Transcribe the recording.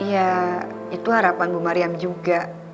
iya itu harapan bu mariam juga